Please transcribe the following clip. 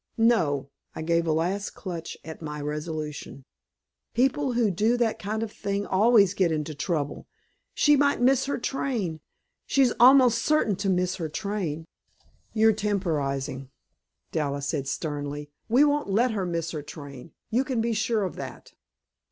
"No!" I gave a last clutch at my resolution. "People who do that kind of thing always get into trouble. She might miss her train. She's almost certain to miss her train." "You're temporizing," Dallas said sternly. "We won't let her miss her train; you can be sure of that."